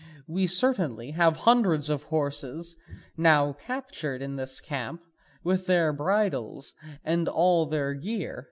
We certainly have hundreds of horses now captured in this camp, with their bridles and all their gear.